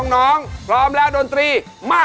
น้องพร้อมแล้วดนตรีมา